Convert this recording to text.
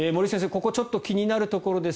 ここちょっと気になるところです。